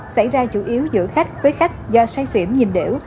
xảy ra chủ yếu giữa khách với khách do say xỉn nhìn đẻo